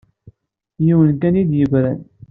Yiwen kan ay iyi-d-yeggran.